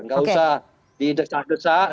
enggak usah didesak desak